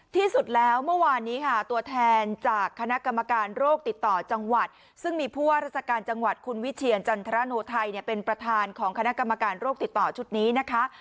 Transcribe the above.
ที่สุดแล้วเมื่อวานนี้ค่ะตัวแทนจากคณะกรรมการโรคติดต่อจังหวัดซึ่งมีผู้ว่าราชการจังหวัดคุณวิเชียรจันทรโนไทยเป็นประธานของคณะกรรมการโรคติดต่อชุดนี้นะคะ